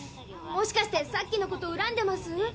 もしかしてさっきのことうらんでます？